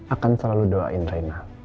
akan selalu doain rena